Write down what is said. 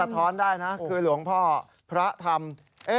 ท้อนได้นะคือหลวงพ่อพระธรรม